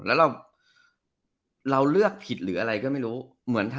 แล้วเราเลือกผิดหรืออะไรก็ไม่รู้